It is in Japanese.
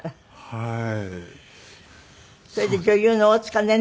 はい。